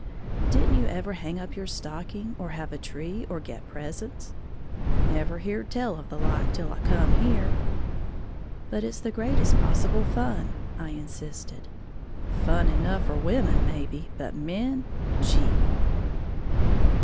"Didn't you ever hang up your stocking, or have a tree or get presents?" "Never heared tell of the like till I come here." "But it's the greatest possible fun," I insisted. "Fun enough for women, may be, but men, gee!"